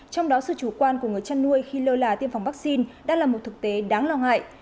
trong đó sự chủ quan của người chăn nuôi khi lơ là tiêm phòng vaccine đã là một thực tế đáng lo ngại